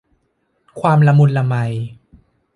ความละมุนละไม